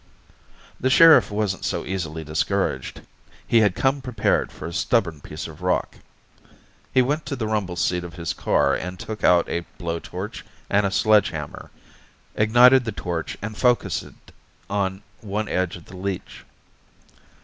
The sheriff wasn't so easily discouraged. He had come prepared for a stubborn piece of rock. He went to the rumble seat of his car and took out a blowtorch and a sledgehammer, ignited the torch and focused it on one edge of the leech.